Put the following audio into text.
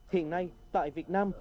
hiện nay tại việt nam